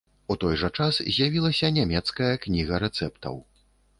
У той жа час з'явілася нямецкая кніга рэцэптаў.